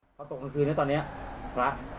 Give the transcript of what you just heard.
ตกกลางคืนแล้วตอนนี้พระ